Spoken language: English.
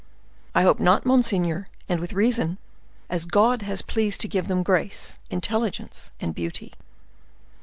"I hope not, monseigneur, and with reason, as God has been pleased to give them grace, intelligence, and beauty."